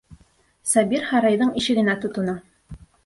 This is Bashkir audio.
Сабир һарайҙың ишегенә тотона.